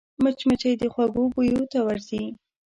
مچمچۍ د خوږو بویو ته ورځي